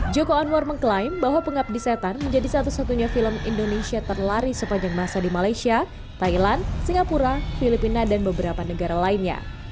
joko anwar mengklaim bahwa pengabdi setan menjadi satu satunya film indonesia terlari sepanjang masa di malaysia thailand singapura filipina dan beberapa negara lainnya